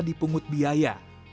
dan mengungut biaya